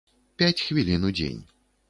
Пяць хвілін у дзень.